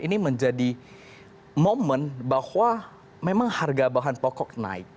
ini menjadi momen bahwa memang harga bahan pokok naik